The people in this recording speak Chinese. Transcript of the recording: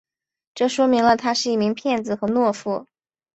这说明了他是一名骗子和懦夫。